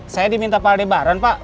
saya diminta pak adebaran pak